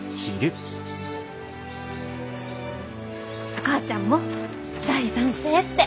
お母ちゃんも大賛成って！